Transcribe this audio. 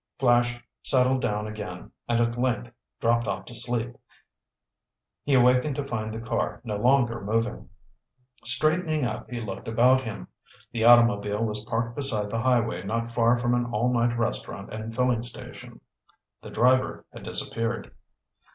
Flash settled down again and at length dropped off to sleep. He awakened to find the car no longer moving. Straightening up, he looked about him. The automobile was parked beside the highway not far from an all night restaurant and filling station. The driver had disappeared.